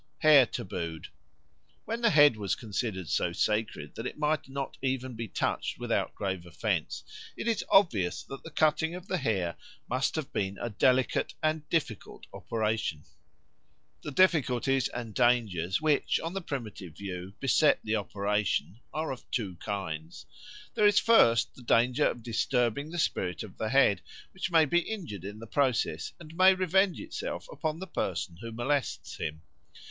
Hair tabooed WHEN the head was considered so sacred that it might not even be touched without grave offence, it is obvious that the cutting of the hair must have been a delicate and difficult operation. The difficulties and dangers which, on the primitive view, beset the operation are of two kinds. There is first the danger of disturbing the spirit of the head, which may be injured in the process and may revenge itself upon the person who molests him.